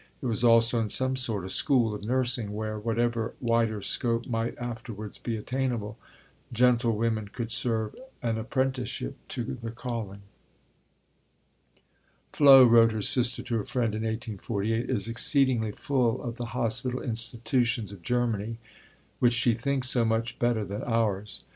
It was also in some sort a school of nursing where, whatever wider scope might afterwards be attainable, gentlewomen could serve an apprenticeship to the calling. "Flo," wrote her sister to a friend in 1848, "is exceedingly full of the Hospital Institutions of Germany, which she thinks so much better than ours.